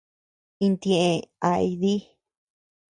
Intieʼë ay dí.